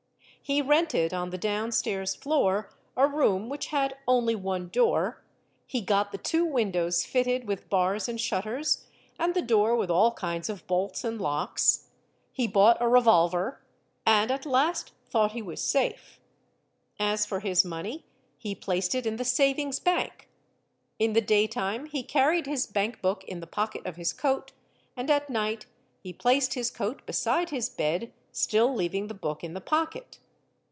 He rented, en the downstairs floor, a room which had only one door, he got the " two windows fitted with bars and shutters and the door with all kinds of bolts and locks, he bought a revolver, and at last thought he was safe. | As for his money he placed it in the savings bank: in the day time he |_ earried his bank book in the pocket of his coat and at night he placed his coat beside his bed still leaving the book in the pocket.